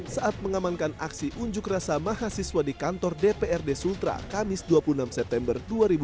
saat mengamankan aksi unjuk rasa mahasiswa di kantor dprd sultra kamis dua puluh enam september dua ribu dua puluh